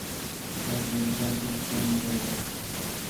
An example at Sutton Veny included a bronze-age wooden coffin.